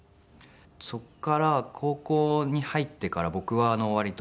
そこから高校に入ってから僕は割と。